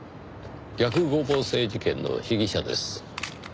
逆五芒星事件の被疑者です。